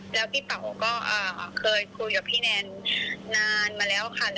แล้วพี่เป๋าก็เคยคุยกับพี่แนนนานมาแล้วค่ะ